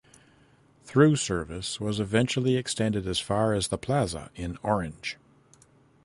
Through service was eventually extended as far as The Plaza in Orange